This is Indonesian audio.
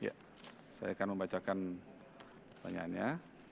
ya saya akan membacakan pertanyaannya